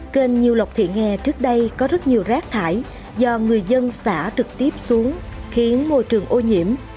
kênh nhiêu lọc thị nghè trước đây có rất nhiều rác thải do người dân xả trực tiếp xuống khiến môi trường ô nhiễm